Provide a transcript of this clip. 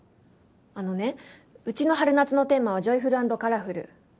あのねうちの春夏のテーマは「ジョイフルアンドカラフル」。